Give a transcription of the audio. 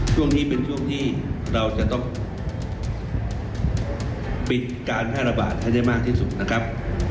ช่วงนี้เป็นช่วงที่เราจะต้องปิดการแพร่ระบาดให้ได้มากที่สุดนะครับ